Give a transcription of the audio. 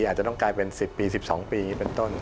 อาจจะต้องกลายเป็น๑๐ปี๑๒ปีเป็นต้น